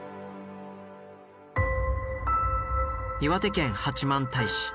岩手県八幡平市。